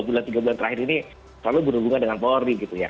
tiga bulan terakhir ini selalu berhubungan dengan polri gitu ya